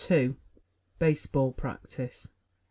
BASEBALL PRACTICE.